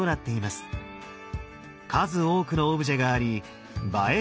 数多くのオブジェがあり映え